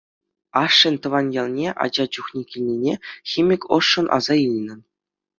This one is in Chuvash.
Ашшӗн тӑван ялне ача чухне килнине химик ӑшшӑн аса илнӗ.